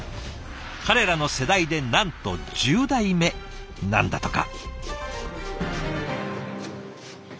彼らの世代でなんと１０代目なんだとか。